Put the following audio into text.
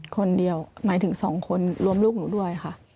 คนเดียวหมายถึง๒คนรวมลูกหนูด้วยค่ะ